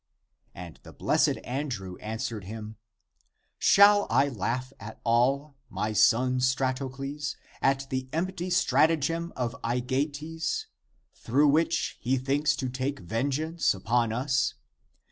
And the blessed Andrew an swered him, " Shall I not laugh at all, my son Stratocles, at the empty stratagem of Aegeates, through which he thinks to take vengeance upon us